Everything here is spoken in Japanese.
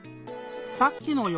さっきのよ